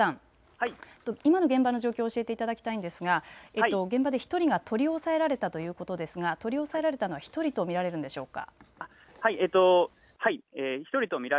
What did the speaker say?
そして高橋さん、今の現場の状況を教えていただきたいのですが、現場で１人が取り押さえられたということですが取り押さえられたのは１人と見られるのでしょうか。